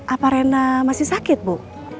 apa rena masih sakit bu